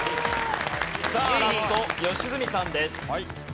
さあラスト良純さんです。